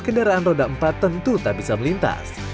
kendaraan roda empat tentu tak bisa melintas